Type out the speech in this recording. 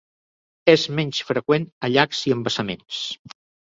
És menys freqüent a llacs i embassaments.